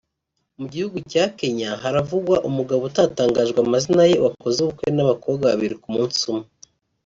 Mu gihugu cya Kenya haravugwa umugabo utatangajwe amazina ye wakoze ubukwe n’ abakobwa babiri ku munsi umwe